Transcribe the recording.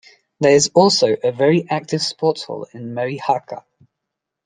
There is also a very active sports hall in Merihaka.